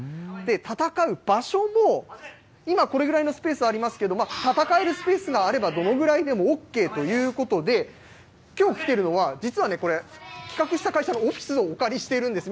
戦う場所も、今、これぐらいのスペースありますけれども、戦えるスペースがあれば、どのぐらいでもＯＫということで、きょう来てるのは、実はこれ、企画した会社のオフィスをお借りしているんです。